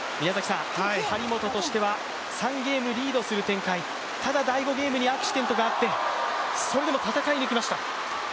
張本としては３ゲームリードする展開、ただ、第５ゲームにアクシデントがあってそれでも戦い抜きました。